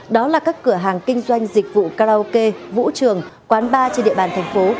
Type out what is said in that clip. đó là các cửa hàng kinh doanh dịch vụ karaoke vũ trường quán bar trên địa bàn thành phố